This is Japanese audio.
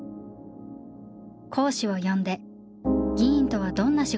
講師を呼んで「議員とはどんな仕事なのか」